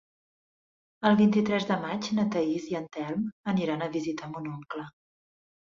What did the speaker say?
El vint-i-tres de maig na Thaís i en Telm aniran a visitar mon oncle.